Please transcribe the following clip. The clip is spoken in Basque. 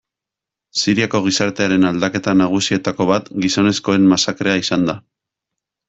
Siriako gizartearen aldaketa nagusietako bat gizonezkoen masakrea izan da.